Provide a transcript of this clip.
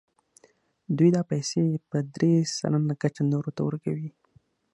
دوی دا پیسې په درې سلنه ګټه نورو ته ورکوي